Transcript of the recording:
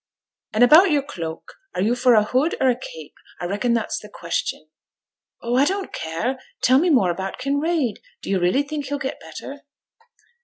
'An' about yer cloak, are you for a hood or a cape? a reckon that's the question.' 'Oh, I don't care! tell me more about Kinraid. Do yo' really think he'll get better?'